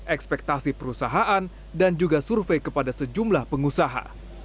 ekspektasi perusahaan dan juga survei kepada sejumlah pengusaha